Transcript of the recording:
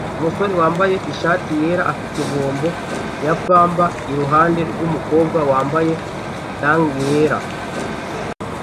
Umusore wambaye ishati yera afite bombo ya pamba iruhande rwumukobwa wambaye tank yera